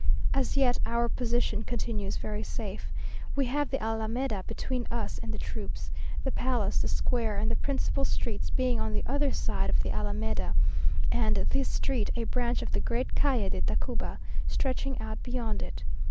As yet our position continues very safe. We have the Alameda between us and the troops; the palace, the square, and the principal streets being on the other side of the Alameda; and this street, a branch of the great Calle de Tacuba, stretching out beyond it.